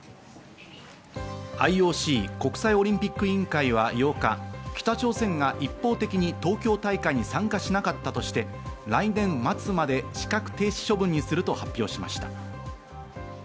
ＩＯＣ＝国際オリンピック委員会は８日、北朝鮮が一方的に東京大会に参加しなかったとして、来年末まで資格停止処分にすると発表しました。